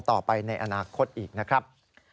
ต่อไปในอนาคตอีกนะครับ